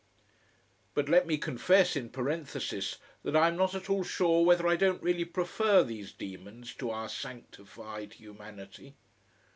_ But let me confess, in parenthesis, that I am not at all sure whether I don't really prefer these demons to our sanctified humanity.